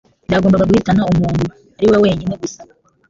byagombaga guhitana umuntu. Ari wenyine gusa,